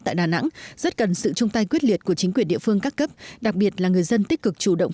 tại đà nẵng rất cần sự chung tay quyết liệt của chính quyền địa phương các cấp đặc biệt là người dân tích cực chủ động